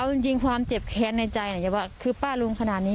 เอาจริงความเจ็บแค้นในใจว่าคือป้ารุมขนาดนี้